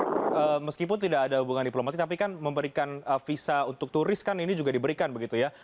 oke merugikan tidak kemudian bagi meskipun tidak ada hubungan diplomati tapi kan memberikan visa untuk turis kan ini juga diberikan begitu ya